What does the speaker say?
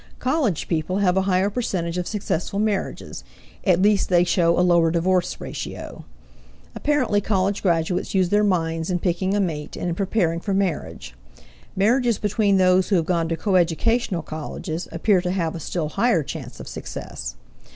College people have a higher percentage of successful marriages at least, they show a lower divorce ratio. Apparently college graduates use their minds in picking a mate and in preparing for marriage. Marriages between those who have gone to coeducational colleges appear to have a still higher chance of success.